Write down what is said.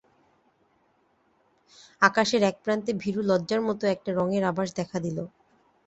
আকাশের একপ্রান্তে ভীরু লজ্জার মতো একটা রঙের আবাস দেখা দিল।